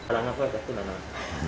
terangkan pak keturunan